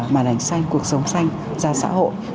màn ảnh xanh cuộc sống xanh ra xã hội